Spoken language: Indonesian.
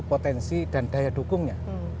potensi dan daya dukungnya